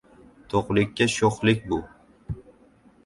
— To‘qlikka sho‘xlik bu!